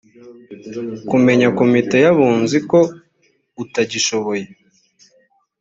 kumenya komite y‘abunzi ko utagishoboye